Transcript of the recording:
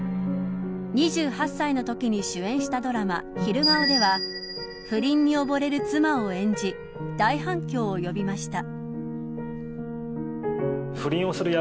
２８歳のときに主演したドラマ昼顔では不倫に溺れる妻を演じ大反響を呼びました。